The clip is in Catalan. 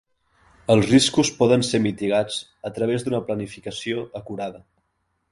Els riscos poden ser mitigats a través d'una planificació acurada.